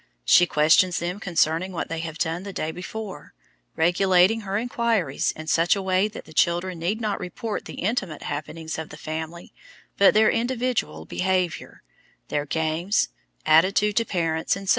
She questions them concerning what they have done the day before, regulating her inquiries in such a way that the children need not report the intimate happenings of the family but their individual behaviour, their games, attitude to parents, etc.